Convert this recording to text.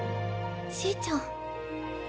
ちぃちゃん。